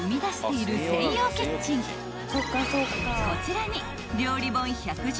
［こちらに］